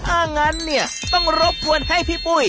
ถ้างั้นเนี่ยต้องรบกวนให้พี่ปุ้ย